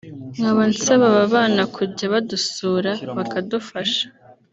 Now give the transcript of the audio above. nkaba nsaba aba bana kujya badusura bakadufasha